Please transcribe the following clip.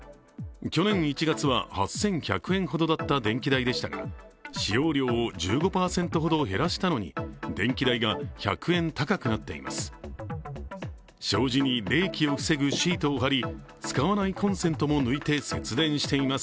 去年１月は８１００円ほどだった電気代でしたが使用量を１５％ほど減らしたのに電気代が１００円高くなっています。